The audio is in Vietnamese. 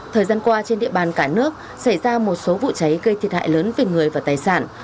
thời gian qua trên địa bàn cả nước xảy ra một số vụ cháy gây thiệt hại lớn về người và tài sản